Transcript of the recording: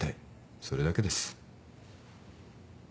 それだけです。